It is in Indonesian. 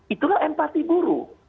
itulah empati buruh